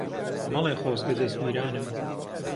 مەڵێ خۆزگە دەزگیرانم